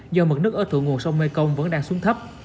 do mực nước ở thượng nguồn sông mê công vẫn đang xuống thấp